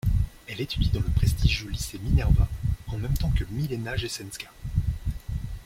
Elle étudie dans le prestigieux lycée Minerva, en même temps que Milena Jesenská.